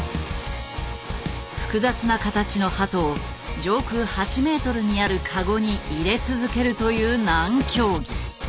複雑な形の鳩を上空８メートルにあるカゴに入れ続けるという難競技。